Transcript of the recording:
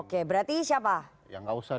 oke berarti siapa ya gak usah